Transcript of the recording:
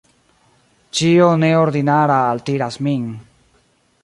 Ĉio neordinara altiras min.